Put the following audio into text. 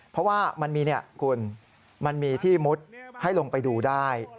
เพราะว่ามันมีที่มุดให้ลงไปดูได้